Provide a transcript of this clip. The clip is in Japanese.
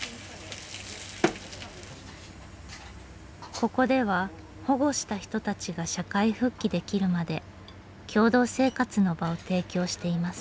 ここでは保護した人たちが社会復帰できるまで共同生活の場を提供しています。